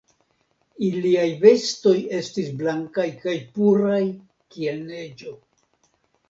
Iliaj vestoj estis blankaj kaj puraj kiel neĝo.